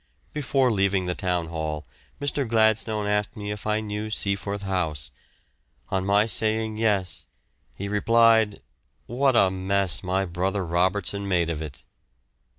Before leaving the Town Hall Mr. Gladstone asked me if I knew Seaforth House. On my saying yes, he replied, "What a mess my brother Robertson made of it!"